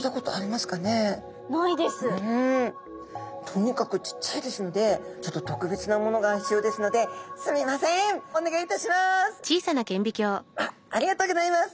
とにかくちっちゃいですのでちょっと特別なものが必要ですのであっありがとうギョざいます！